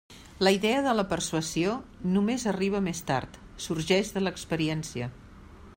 La idea de la persuasió només arriba més tard; sorgeix de l'experiència.